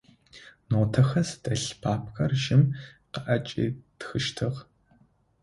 Нотэхэр зыдэлъ папкэр жьым къыӏэкӏитхъыщтыгъ.